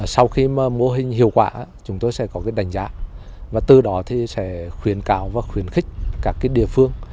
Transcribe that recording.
sau khi mô hình hiệu quả chúng tôi sẽ có đánh giá và từ đó thì sẽ khuyến cáo và khuyến khích các địa phương